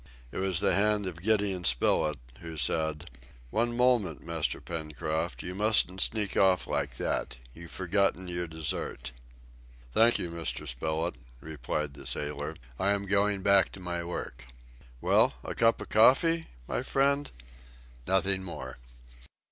It was the hand of Gideon Spilett, who said, "One moment, Master Pencroft, you mustn't sneak off like that! You've forgotten your dessert." "Thank you, Mr. Spilett," replied the sailor, "I am going back to my work." "Well, a cup of coffee, my friend?" "Nothing more."